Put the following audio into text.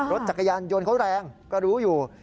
รถจักรยานยนต์เขาแรงก็รู้อยู่